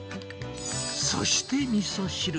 そしてみそ汁。